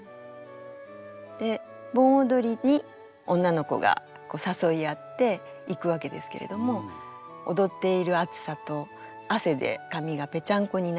で盆踊りに女の子が誘い合って行くわけですけれども踊っている暑さと汗で髪がぺちゃんこになっているっていう。